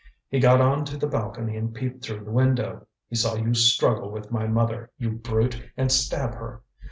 He got on to the balcony and peeped through the window. He saw you struggle with my mother, you brute, and stab her.